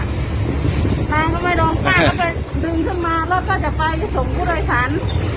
นางก็ไม่รองป้าแล้วไปดึงขึ้นมารถป้าจะไปสมก็เลยสัน